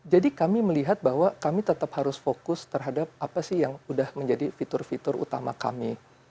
jadi kami melihat bahwa kami tetap harus fokus terhadap apa sih yang sudah menjadi fitur fitur utama kami